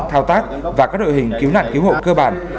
thao tác và các đội hình cứu nạn cứu hộ cơ bản